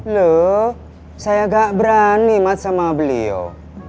loh saya gak berani ingat sama beliau